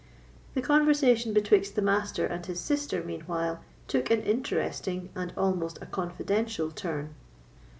The conversation betwixt the Master and his sister, meanwhile, took an interesting, and almost a confidential, turn.